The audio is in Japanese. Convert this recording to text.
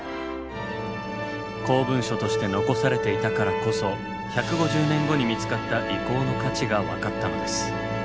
公文書として残されていたからこそ１５０年後に見つかった遺構の価値が分かったのです。